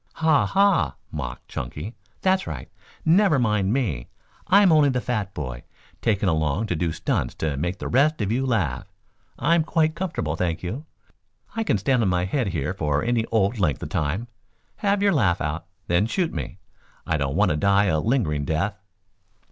"Ha, ha!" mocked Chunky. "That's right. Never mind me. I'm only the fat boy, taken along to do stunts to make the rest of you laugh. I'm quite comfortable, thank you. I can stand on my head here for any old length of time. Have your laugh out, then shoot me! I don't want to die a lingering death."